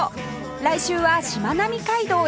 来週はしまなみ海道へ